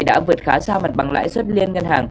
đã vượt khá xa mặt bằng lãi suất liên ngân hàng